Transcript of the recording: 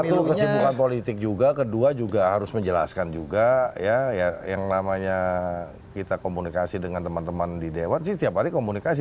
itu kesibukan politik juga kedua juga harus menjelaskan juga ya yang namanya kita komunikasi dengan teman teman di dewan sih tiap hari komunikasi